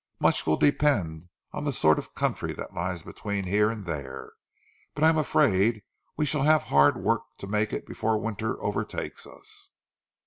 Much will depend on the sort of country that lies between here and there, but I am afraid we shall have hard work to make it before winter overtakes us."